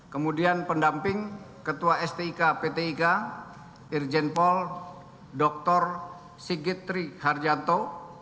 kemudian pendamping ketua stik pt ika irjen pol dr sigit tri harjanto